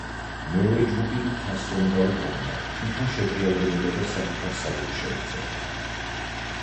მეორე ჯგუფი კი თასს რომ დაუდგამდა, თვითონ შეტრიალდებოდა და საკუთარ სადილს შეექცეოდა.